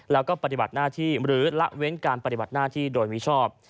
แล้วก็ปฏิบัติหน้าที่หรือละเว้นการปฏิบัติหน้าที่โดยมิชอบ